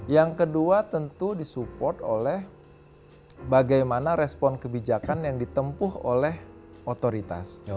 yang kedua tentu disupport oleh bagaimana respon kebijakan yang ditempuh oleh otoritas